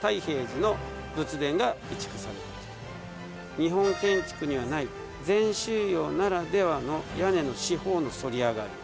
日本建築にはない禅宗様ならではの屋根の四方の反りあがり。